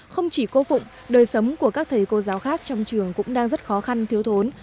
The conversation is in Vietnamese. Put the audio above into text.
không chỉ cô phụng đời sống của các thầy cô giáo khác trong trường cũng đang rất khó khăn thiếu thốn